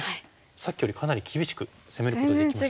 さっきよりかなり厳しく攻めることができました。